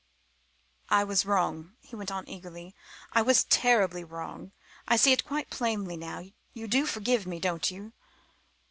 "I was wrong," he went on eagerly. "I was terribly wrong. I see it quite plainly now. You do forgive me don't you?"